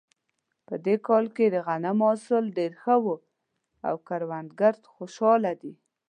په دې کال کې د غنمو حاصل ډېر ښه و او کروندګر خوشحاله دي